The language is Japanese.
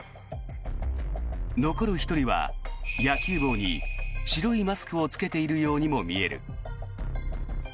残る１人は野球帽に白いマスクを着けているようにも見える。